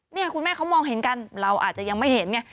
เนี่ยคุณแม่เขามองเห็นกันเราอาจจะยังไม่เห็นไง